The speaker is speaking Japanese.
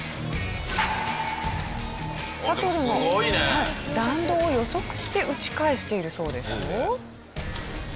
シャトルの弾道を予測して打ち返しているそうですよ。